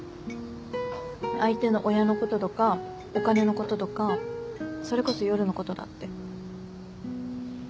相手の親のこととかお金のこととかそれこそ夜のことだって。